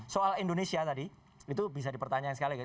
soal indonesia tadi itu bisa dipertanyakan sekali